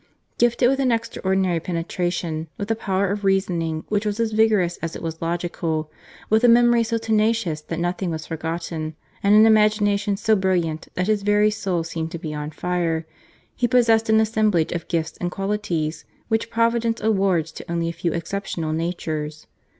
Gifted with an extraordinary penetration, with a power of reasoning which was as vigorous as it was logical, with a memory so tenacious that nothing was forgotten, and an imagination so brilliant that his very soul seemed to be on fire, he possessed an assemblage of gifts and qualities which Providence awards to only a few exceptional natures.